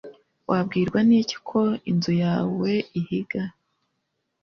Wabwirwa niki ko inzu yawe ihiga